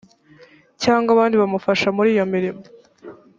cyangwa abandi bamufasha muri iyo mirimo